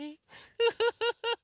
フフフフ。